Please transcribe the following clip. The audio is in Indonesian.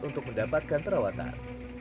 untuk mendapatkan perawatan